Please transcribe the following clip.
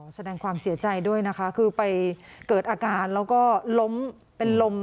แสดงความเสียใจด้วยนะคะคือไปเกิดอาการแล้วก็ล้มเป็นลม